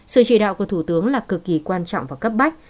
sự chỉ đạo của thủ tướng là cực kỳ quan trọng và cấp bách